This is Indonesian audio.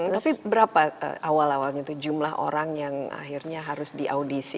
tapi berapa awal awalnya itu jumlah orang yang akhirnya harus diaudisi